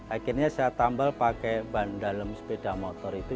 akhirnya saya tambal pakai ban dalam sepeda motor itu